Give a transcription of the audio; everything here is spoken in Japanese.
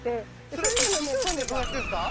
それ意図してそうやってるんですか？